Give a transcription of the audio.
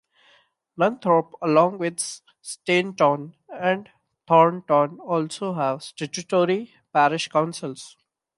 Nunthorpe along with Stainton and Thornton also have statutory parish councils.